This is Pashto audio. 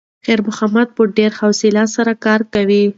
خیر محمد په ډېرې حوصلې سره کار کاوه.